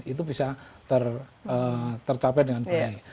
itu bisa tercapai dengan baik